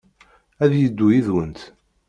Ad yeddu yid-went.